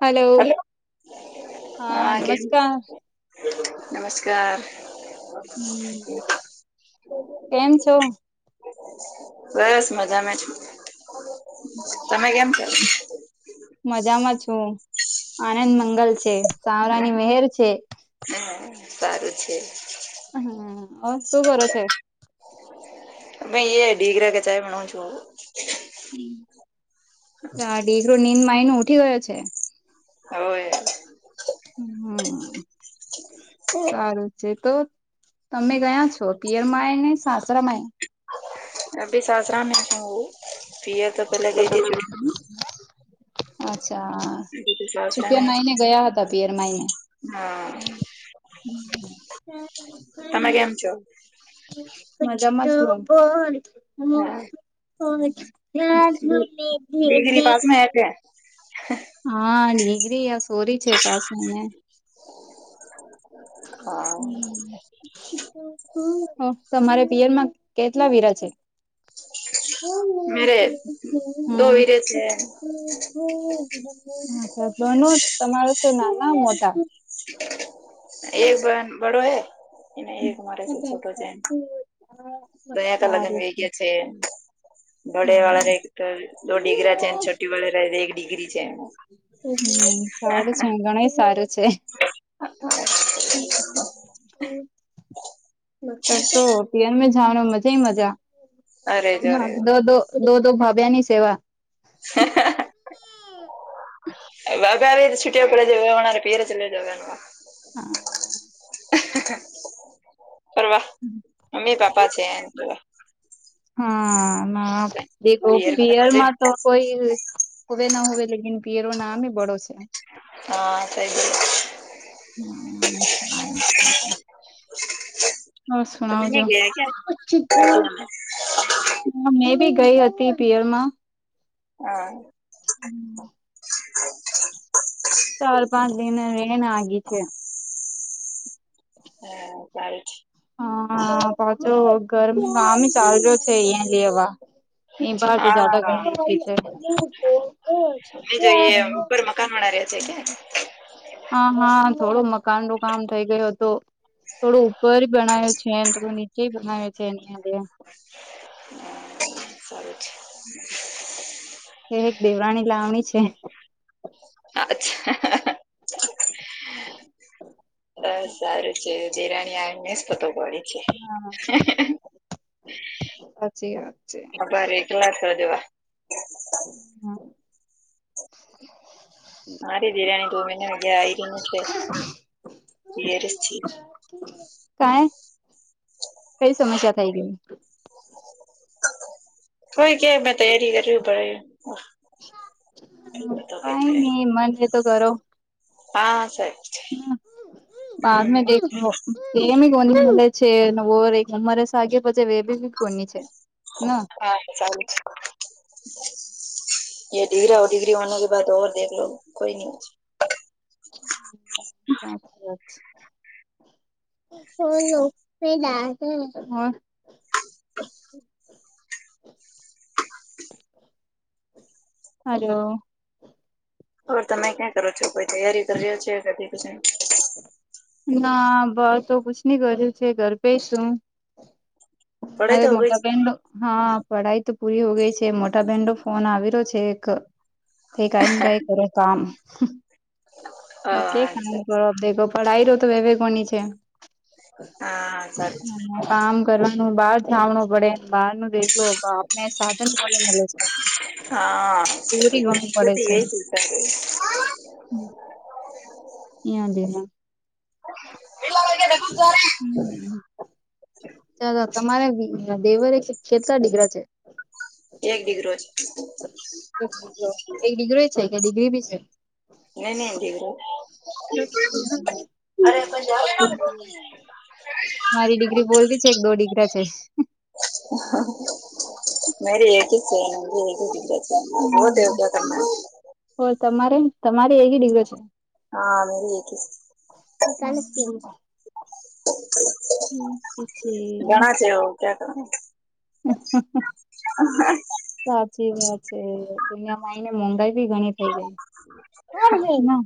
Hello હા નમસ્કાર નમસ્કાર હમ્મ કેમ છો? બસ મજામાં છું, તમે કેમ છો? મજામાં છું આનંદ મંગલ છે સાવરાની મહેર છે, હા સારું છે, હમ્મ શું કરો છો? ભ એ ડીગરા કચ ભણ છું. [inaudible] દીકરો નીંદ માય ન ઉઠી ગયો છે, હવે. હમ્મ સારું છે, તો તમે ગયા છો પિયર માય ને સાસરામાંય? અભી સાસરા મે હું પય તો પહેલે ગઈ હતી છુમાં અચ્છા તો સાસરા છપર મે છું માઈને ગયા હતા, પિયર માઈને હા, તમે કેમ છો? મજામાં [inaudible] હા ડિગ્રી [unintelligible] હા ડગ્રિયા સોરી છેે, પાસમાંને [inaudible] હા [unintelligible] તમારે પિયરમાં કેટલા વીરા છે? [inaudible] મેરે દો વીરે છે હ ન તમારે છે ના ના મોટા એક બન બડો હૈ એને એક મારે છોટો છે, દનિયાકા લગ્ન વ ગયા છે. બડે હા. વાળા ર તો દો ડિગ્ર છે, છોટી વાળા ર એક ડિગ્રી છે એમાં હમ્મ સારું છે ઘણ સારું છે. મ તબ તો રોટીયન જામ મજા અરે જોરે મજા દો દો દો દો ભાભ્યા ની સેવા હ વાા આવી છુટિયા પડે જરે પેર જ લેજ હા હા ફવા મમ્મી પાપા છે એને જોવા હા પિયર માં પયરમાં મજા તો મજા કોઈ હવે ના હોવે લકન પરો નામ એ બડો છે હા સઈ ગલ હમશ છે હ તમે નહીં શણાવજોું ગયા ક્યાં હા મેં બી ગઈ હતી પિયરમાં હા ચાર પાંચ દિન એનાગી છે હા ચાય છે હા પાછો વ ઘર કામ ચાલ્યો છે અહિયાં લેવા એ બહાર તો જદ હા ગ હા છે મેં જોઈએ ઉપર મકાન વાળા રહ્યા છે ક્યાં હા હા થોડું મકાન નું કામ થઈ ગયું હતું થોડો ઉપર બનાવ્યો છે થોડું નીચે બનાવ્યું છે એની અંદે હ સ છે એ એક દેવરાણી લાવણી છે અચ્છા હ અ સારું છે ધેરાણી આને જ ફતો પડે છે હા જી વાત છે પટલાસ દવા હા હારે બિરરાણી તો મહિને અગ્યા આવી ર ન છેિર કઈ કઈ સમસ્યા થઈ ગઈ હોય કે મેં તૈયારી કર્યું ભરા કઈ નહી મન છેતો કરો હા સ હ બદ મે દેખ એમી કોનીલે છે વર ઉંમરે સાાગે પછી બી કોની છે ના હા સારું છે એ ડિગ્ર હો ડિગ્રી હો કે બા દેખલો કોઈ ન હમ હમ હ શ ડ મણ હલોલો હર તમે ક્યાં કરો છો કોઈ તૈયારી કર્યો છે ક પછ ના બસ તો કુછ નની કર્યું છે ઘર પે શું પઢાઈ હરે તો હો ગઈ છે મોટાબું હા પઢાઈ તો પૂરી હો ગઈ છે, મોટા બેન નો ફોન આવી રહ્યો છે એક તે કઈ કઈ કરો કામ કે હા કામ સર કર પઢાઈ ર તો વેવે કોની છે. હા સારું કામ કરવાનું બહાર જાવણું પડે બહાર ન દેખલો બાપને હાી દૂરી ઘણું પડે એ હ એયા દે એ હમ ચ તમારે દેવરે ખેતલા ડીગરા છે. એક દિગ રોજ એક દીકરો એક ડિગ્રી કે ડિગ્રી બી છે. નને દીર અરે પજ દરેક વાત મારી [unintelligible] ડિગ્રી બોલતી છે એક દો ડિગ્રા છે હાહા મારે એક જ છે [unintelligible] બહુ ટેમ [unintelligible] હો તમારે તમારે એવી ડિગ છે હા હુ એકીસ હમ એ પણ છે નહી કયા કરુ [unintelligible] સાચી જ વાત છે દુનિયામાં આવીઈને મોંઘાઈ બી ગણી થઇ ગઇ કોણ છે બા?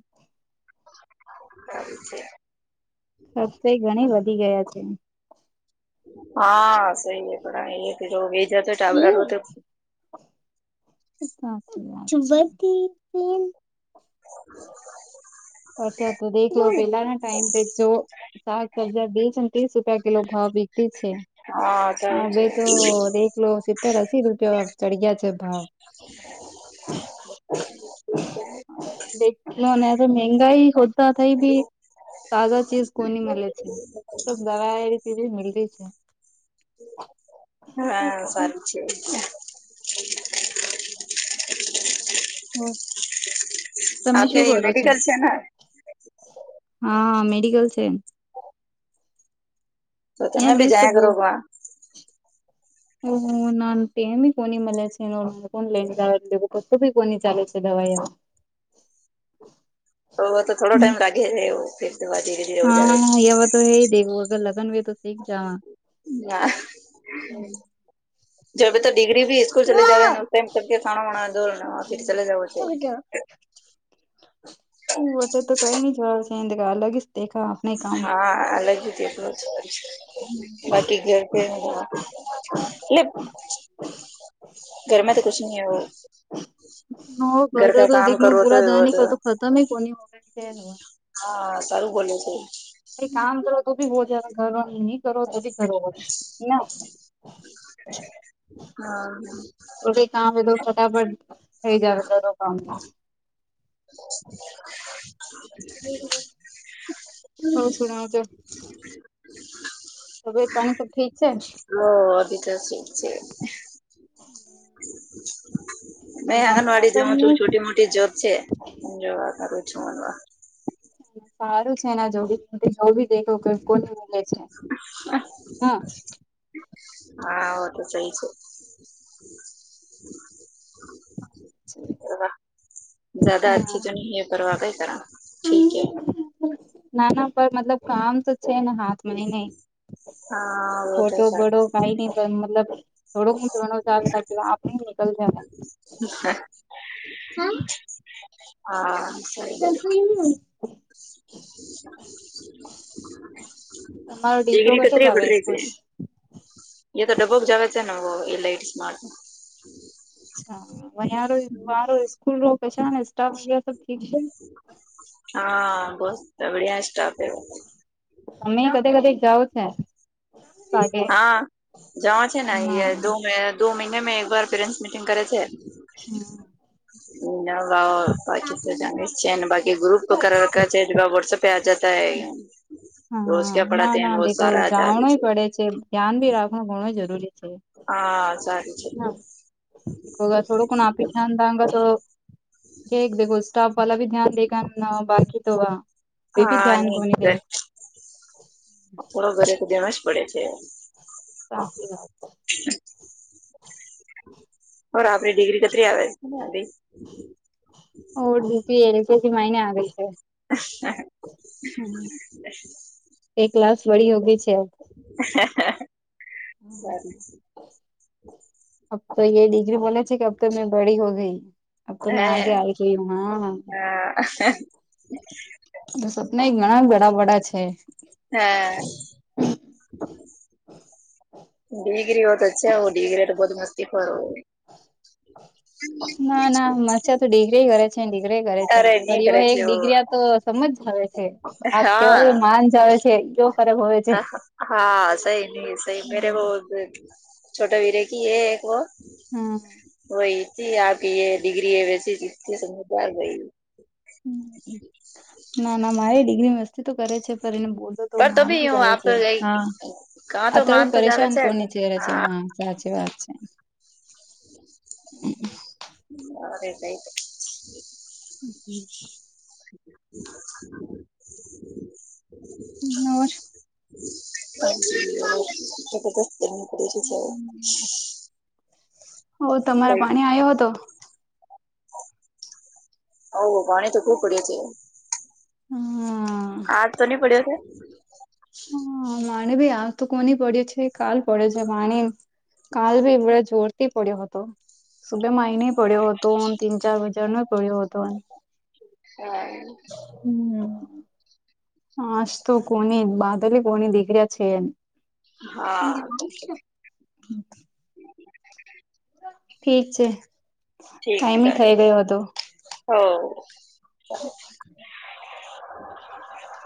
ફઈ છે વસ્તી ઘણી વધી ગયા છે હા સહી હ પણ જો વે જતો ટાબરા [unintelligible] હ [unintelligible] અચ્છા તો દેખલો બેટા ટમ જો સાક સબજા બીસ અને ત્રીસ રૂપિયા કિલો ભાવ વહેંચે છે હા સારું બે તો છે એક કિલો સિત્તેર અસી રૂપિયા ચઢી ગયા છે ભાવ દેખલા મે તો મંગાઈ હોતા થઈ ભી તાજા ચીજ કોની મળે છે દાર એ રીતે મલતી છે હા સાચી વાત છે તમે શું આપને કરો છો મેડિકલ છે ને હા મેડિકલ છે તો તમે અયાન બી જઈશ તો જાયા બહુ કરો વાં હુનમુનામ તે બી કોની મળે છે, [unintelligible] કો લઈનેે બી કોની ચાલે છે દવાઈ [inaudible] તો તો થોડો ટાઈમ લાગેને એવું, ફિરતો દવા ધીરે ધીરે વધારે હા એવોતો હે દેગો ગર લગ્ન વે તો કેક જાવા, હા હમ્મ જબે તો ડિગ્રી બી સ્કૂલ ચલે જાવેનો ફેન ખાણા વણાવે દો ચલે જવું છે. શું વટે તો કઈ ની જવા છેદ એ અલગીચ હા અલગહી ચેકો, બાકી ઘર છે [unintelligible] એટલે ઘરમે તો કુછ ની એવું. ઘર કા કામ કરવું તો એવા તેવા તમે કોની ઓડ છે નોહા હા સારું બોલે છે. અરે કામ કરો તો બી હોજા ગા ઘરો, ની કરો તો બી કરો રોહો ના [inaudible] હા હા. તો કામ એ તો ફટાફટ થઈ જાય રસોઈ કામ [inaudible] ઓ સુણાવજો [inaudible] તબિયેત પાણી સબ ઠીક છે? લો અભી તો ઠીક છે. [inaudible] મે આંગણવાડી જઉં મોસમ છું છોટી મોટી જોબ છે જોવા કરું છું. સારું છે એના જોડી જો ભી દેખ કોને મ છે હા હા તો સઈ છે‌. [inaudible] છે [unintelligible] વા જ્યાદા અચ્છી તો નહી હ પરવા કઈ કર‌. નાના પર મતલબ કામ તો છે ને હાથમાંયને. ખોટો બડો કઈ નહ પણ મતલબ થોડોકું [unintelligible] ઘણો ચાલ સા એ નિકલ જાહ હા સહી બોલે તમારો દીકરો ડીગ્રી કશે કત્રી જાવે બડરી છે. સ્કૂલ અચ્છા એ તો ડબોક જવાછ નમ એ લઈટસ મા અચ્છા સ્કૂલો રો કશાન સ્ટાફ ગણ ઠીક છે. હા બસ બડીયા સ્ટફ એ અમે કધી કદી જાઓ છે. કાગે હા જવા છે ને યે દો મહિને મે એકવાર પેરેન્ટ્સ મીટિંગ કરે છે. હા. હ વા બાકી તો જાણી જ હા છે ને બાકી ગ્રુપ કર વખર ચેટ વા વાહટસ અપ ને આજા તો એ ગ હા ના ના દેખો આ જાવે જાવણુંય પડે છે ધ્યાન ભી રાખણું ઘણું જરૂરી છે. હા સારી છે‌. હા થોડો કોણ આપી ધ્યાન દા અંગ તો કે દેખો સ્ટાફ વાલા ભી ધ્યાન દેખ બાકી તો વા હા ને એક્ઝેક્ટ થોડો ઘરે તો જેમ જ પડે છે. સાચી વાત છે. આપરી ડિગ્રી કતરી આવે [unintelligible] ઈ ઓડ [unintelligible] એલ કેસી મને આગ છે. હ [unintelligible] હ એક કલાસ વળી ઓગી છે. સ [unintelligible] અ તો એ ડિગ્રી બોલે ઠીક અબ તો મેં બડી હો ગઈ અબ તો હે મેં આગે આ ગ હું હા. હા. હ [unintelligible] સપના એ ઘણા ગડા વડા બડાછે. હમ. ડિગ્રી બ તો અચછ હ ડિગ્રૈ તો બહુ મસ્તી કર હોવે. ના ના મરસ [unintelligible] રે છે તો દિગરી કરે છે દિગરા કરે છે. અરે પર નહી યો કરે હે એક દિગરી એટલે તો સમજ આવે છે આપ કેવા હા માન આવે છે જો ખરાબ હોય છે હા સહી નહ સહી મેરે બ છોટા વીરે કી હ એક વો હમ વહીથી આ ડિગ્રી હ વૈસી ચીથી સમ આ ગઈ હ ના ના મારે ડિગ્રીમાં તો કરે છે પણ એને બોલતો તો માનવી જ આવે છે હા અત્ર બી તો જાવે પરેશાન છે કોણ નીચ રહે છે હા સાચી વાત છે. અ એટ [unintelligible] એ હમ. [inaudible] હ હો તમારા પાણી આવ્યો હતો હ પાણી તો ખુ પડ છે હા હા તો નની પડ્યો છે હ માણી ભી આ તો કોને પડે છે કાલ પડે છે માણી કાલ ભીવળ જ જોરથી પડ્યો હતો સુબેમાંહીને પડ્યો હતો તીન ચાર હજાર ન પડ્યો હતો હા હમ હસ તોું કોની બાદલે કોની દીકરીિયા છે હા હમ ઠીક છે ટાઈમી થઇ ગયો હતો હ